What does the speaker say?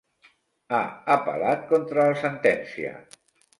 Ha apel·lat contra la sentència.